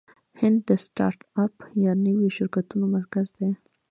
هند د سټارټ اپ یا نویو شرکتونو مرکز دی.